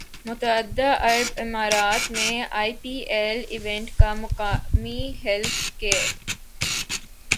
متحدہ عرب امارات میں آئی پی ایل ایونٹ کا مقامی ہیلتھ کیئر